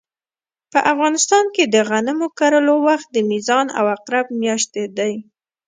په افغانستان کې د غنمو کرلو وخت د میزان او عقرب مياشتې دي